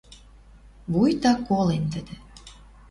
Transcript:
Вуйта колен тӹдӹ.